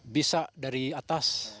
bisa dari atas